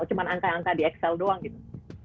cuma angka angka di excel doang gitu